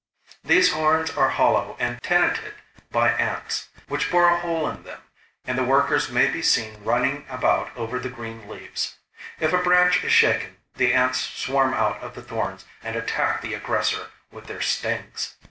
These horns are hollow and tenanted by ants, which bore a hole in them, and the workers may be seen running about over the green leaves. If a branch is shaken the ants swarm out of the thorns and attack the aggressor with their stings.